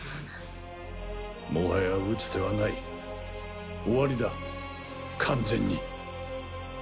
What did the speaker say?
もはや打つ手はない終わりだ完全に。